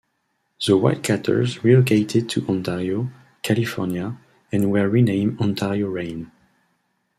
The Wildcatters relocated to Ontario, California, and were renamed Ontario Reign.